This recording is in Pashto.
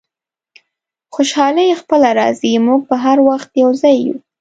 خوشحالي خپله راځي، موږ به هر وخت یو ځای یو.